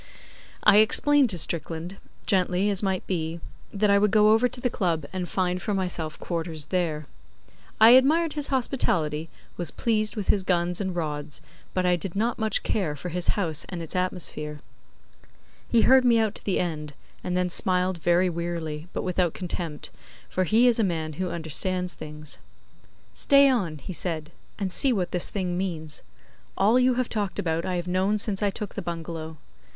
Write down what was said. I explained to Strickland, gently as might be, that I would go over to the Club and find for myself quarters there. I admired his hospitality, was pleased with his guns and rods, but I did not much care for his house and its atmosphere. He heard me out to the end, and then smiled very wearily, but without contempt, for he is a man who understands things. 'Stay on,' he said, 'and see what this thing means. All you have talked about I have known since I took the bungalow.